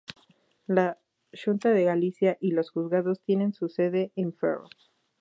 La Xunta de Galicia y los juzgados tienen su sede en Ferrol.